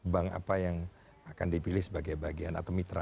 bank apa yang akan dipilih sebagai bagian atau mitra